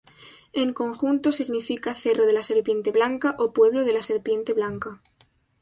En conjunto, significa ‘Cerro de la serpiente blanca’ o ‘Pueblo de la serpiente blanca’.